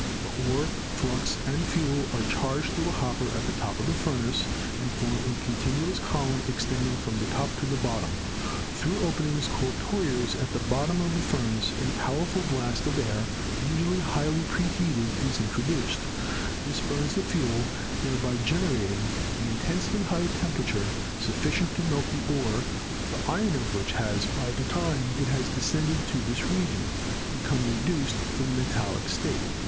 The ore, flux and fuel are charged through a hopper at the top of the furnace and form a continuous column extend ing from the top to the bottom. Through openings called tuyeres at the bottom of the furnace a powerful blast of air, usually highly preheated, is introduced ; this burns the Fig. 47 — Modern Blast furnace. fuel, thereby generating an intensely high temperature, sufficient to melt the ore, the iron of which has, by the time it has descended to this region, become reduced to the metallic state.